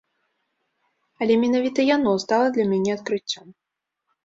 Але менавіта яно стала для мяне адкрыццём.